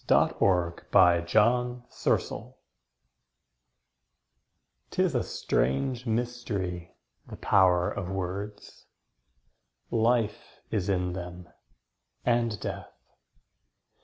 The Power of Words 'TIS a strange mystery, the power of words! Life is in them, and death.